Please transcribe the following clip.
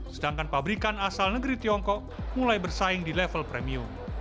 sedangkan pabrikan asal negeri tiongkok mulai bersaing di level premium